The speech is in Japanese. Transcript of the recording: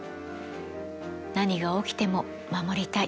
何が起きても守りたい。